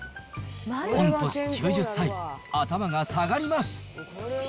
御年９０歳、頭が下がります。